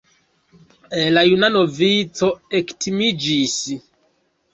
La juna novico ektimiĝis.